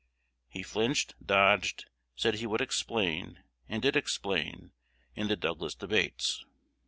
He flinched, dodged, said he would explain, and did explain, in the Douglas debates."